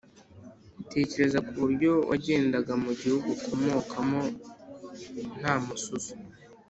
Tekereza ku buryo wagendaga mu gihugu ukomokamo nta mususu